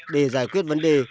để giải quyết vấn đề